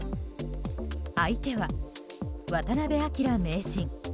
相手は渡辺明名人。